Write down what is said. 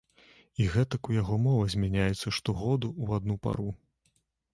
І гэтак у яго мова змяняецца штогоду ў адну пару.